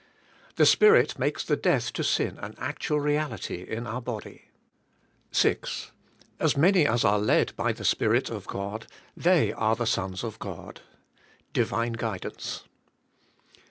The Spirit makes the death to sin an actual reality in our body. 6. "As many as are led by the Spirit oi God they are the sons of God." Divine guidance.